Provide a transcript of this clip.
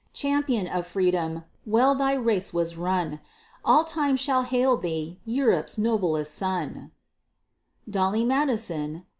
Champion of Freedom! Well thy race was run! All time shall hail thee, Europe's noblest Son! DOLLY MADISON.